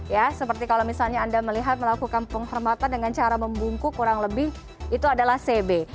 ya seperti kalau misalnya anda melihat melakukan penghormatan dengan cara membungkuk kurang lebih itu adalah cb